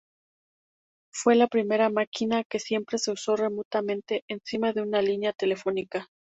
Fue la primera máquina que siempre se usó remotamente encima de una línea telefónica.